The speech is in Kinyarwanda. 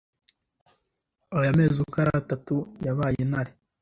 Aya mezi uko ari atatu Yabaye intare